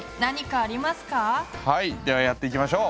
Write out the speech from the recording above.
はいではやっていきましょう。